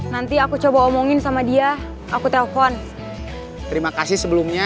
nanti aku coba omongin sama dia aku telpon terima kasih sebelumnya